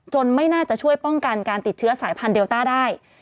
ไม่น่าจะช่วยป้องกันการติดเชื้อสายพันธุเดลต้าได้